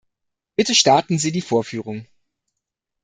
Bitte starten Sie die Vorführung.